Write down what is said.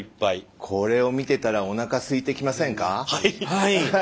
はい。